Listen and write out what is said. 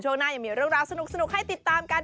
ช่วงหน้ายังมีเรื่องราวสนุกให้ติดตามกัน